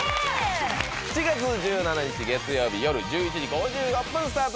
７月１７日月曜日よる１１時５６分スタートです